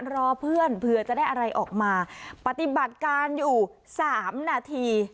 รอเพื่อนเผื่อจะได้อะไรออกมาปฏิบัติการอยู่สามนาที